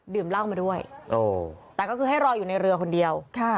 เหล้ามาด้วยแต่ก็คือให้รออยู่ในเรือคนเดียว